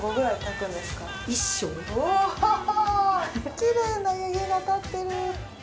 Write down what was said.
きれいな湯気が立ってる。